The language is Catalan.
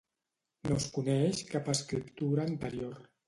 No es coneix cap escriptura anterior.